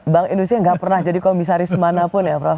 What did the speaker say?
bank indonesia nggak pernah jadi komisaris manapun ya prof